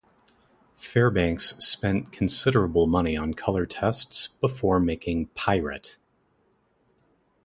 Fairbanks spent considerable money on color tests before making "Pirate".